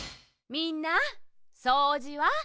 みんなそうじは？